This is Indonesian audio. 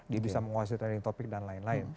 dia bisa menguasai telinga topik dan lain lain